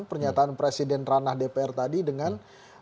pernyataan presiden ranah dpr tadi dengan